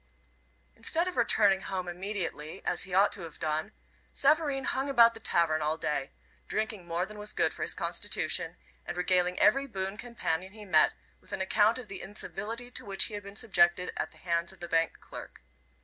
Instead of returning home immediately as he ought to have done, Savareen hung about the tavern all day, drinking more than was good for his constitution, and regaling every boon companion he met with an account of the incivility to which he had been subjected at the hands of the bank clerk.